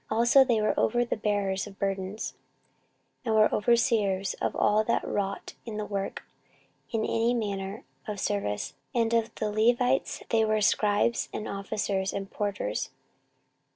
14:034:013 Also they were over the bearers of burdens, and were overseers of all that wrought the work in any manner of service: and of the Levites there were scribes, and officers, and porters.